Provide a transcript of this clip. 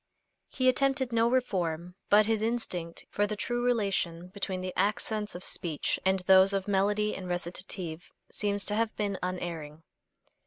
He attempted no reform, but his instinct for the true relation between the accents of speech and those of melody and recitative seems to have been unerring.